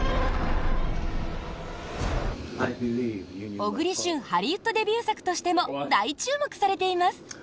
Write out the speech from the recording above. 小栗旬ハリウッドデビュー作としても大注目されています！